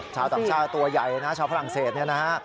ชาวต่างชาติตัวใหญ่นะชาวฝรั่งเศสเนี่ยนะฮะ